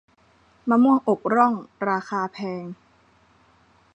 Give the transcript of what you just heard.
มะม่วงอกร่อง ราคาแพง